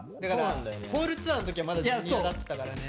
ホールツアーの時はまだＪｒ．だったからね。